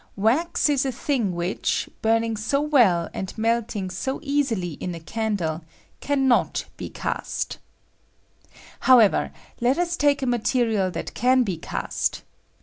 Wax is a thing which, burning eo well, and melting so easily in a candle, can not be cast However, let U3 take a material that can be cast.